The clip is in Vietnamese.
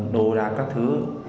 đồ đạc các thứ